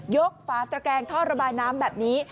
ฝาตระแกงท่อระบายน้ำแบบนี้